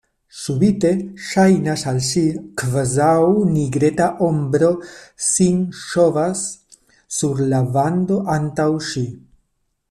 Subite ŝajnas al ŝi, kvazaŭ nigreta ombro sin ŝovas sur la vando antaŭ ŝi.